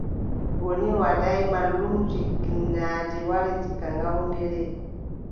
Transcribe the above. Goni Wadaay, mallumjo ginnaaji wari diga Ngawdere.